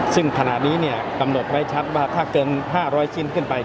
ซึ่งขณะนี้กำหนดไว้ชัดว่าถ้าเกิน๕๐๐ชิ้นขึ้นไป